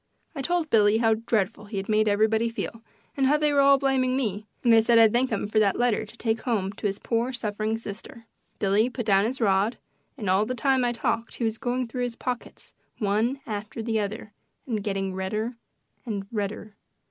I told Billy how dreadful he had made everybody feel and how they were all blaming me, and I said I'd thank him for that letter to take home to his poor suffering sister. Billy put down his rod, and all the time I talked he was going through his pockets one after the other and getting redder and redder.